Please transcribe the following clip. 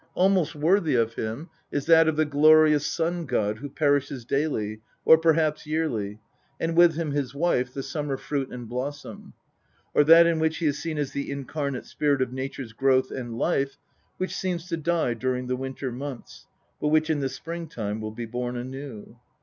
Almost worthy of him is that of the glorious sun god who perishes daily, or perhaps yearly, and with him his wife, the summer fruit and blossom ; or that in which he is seen as the incarnate spirit of nature's growth and life, which seems to die during the winter months, but which in the spring time will be born anew.